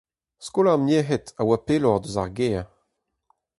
Skol ar merc'hed a oa pelloc'h eus ar gêr.